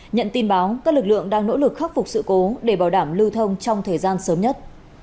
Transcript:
nhận tin báo các lực lượng đang nỗ lực khắc phục sự cố để bảo đảm lưu thông trong thời gian sớm nhất